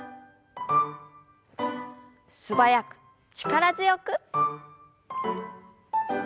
素早く力強く。